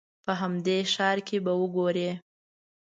په همدې ښار کې به وګورې.